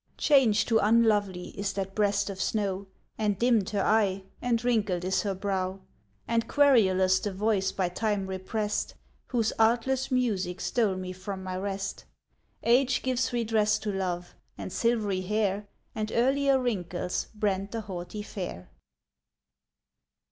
Changed to unlovely is that breast of snow, And dimmed her eye, and wrinkled is her brow; And querulous the voice by time repressed, Whose artless music stole me from my rest. Age gives redress to love; and silvery hair And earlier wrinkles brand the haughty fair.